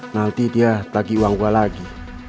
nanti dia akan memberi uang kepada saya lagi